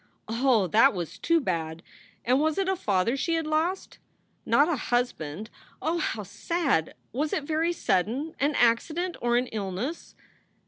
Oh, that was too bad! And was it a father she had lost? Not a husband? Oh, how sad! Was it very sudden? An accident or an illness?